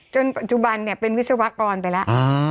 จนจุบันเนี่ยเป็นวิศวกรไปแล้ว